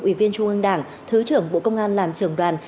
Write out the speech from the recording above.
ủy viên trung ương đảng thứ trưởng bộ công an làm trưởng đoàn